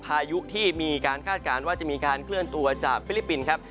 พายุที่มีการคาดการณ์ว่าจะมีการเคลื่อนตัวจากฟิลิปปินส์ครับ